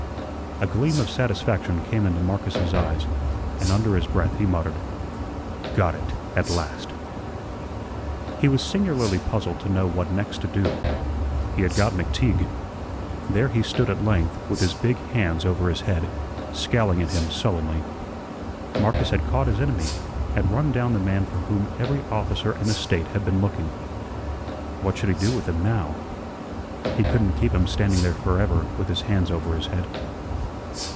A gleam of satisfaction came into Marcus's eyes, and under his breath he muttered: "Got it at last." He was singularly puzzled to know what next to do. He had got McTeague. There he stood at length, with his big hands over his head, scowling at him sullenly. Marcus had caught his enemy, had run down the man for whom every officer in the State had been looking. What should he do with him now? He couldn't keep him standing there forever with his hands over his head.